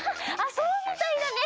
そうみたいだね！